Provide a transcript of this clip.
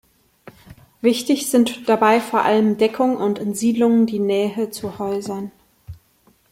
Wichtig sind dabei vor allem Deckung und in Siedlungen die Nähe zu Häusern.